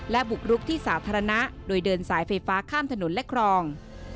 และบุกรุกที่สาธารณะโดยเดินสายไฟฟ้าข้ามถนนและครอง